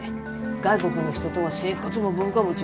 外国の人とは生活も文化も違う。